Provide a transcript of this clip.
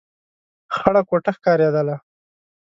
خړه کوټه ښکارېدله.